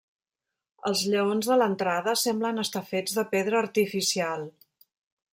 Els lleons de l'entrada semblen estar fets de pedra artificial.